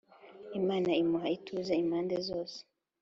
Imana imuha ituze impande zose,